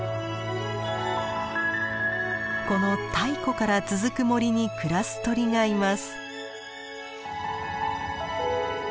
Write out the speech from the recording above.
この太古から続く森に暮らす鳥がいます。